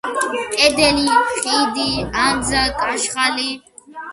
კედელი, ხიდი, ანძა, კაშხალი.